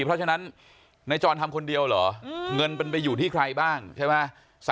เพราะฉะนั้นในจอดทำคนเดียวหรอเงินเป็นไปอยู่ที่ใครบ้างใช่วะ